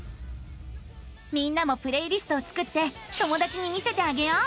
みんなもプレイリストを作って友だちに見せてあげよう。